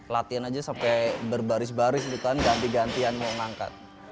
latihan aja sampai berbaris baris gitu kan ganti gantian mau ngangkat